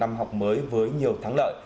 và một năm học mới với nhiều thầy cô giáo